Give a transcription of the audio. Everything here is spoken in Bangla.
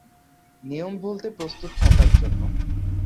নিয়ম ভুলতে প্রস্তুত থাকার জন্য।